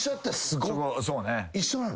一緒なの？